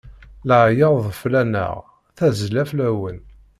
Laɛyaḍ fell-aneɣ, tazzla fell-awen.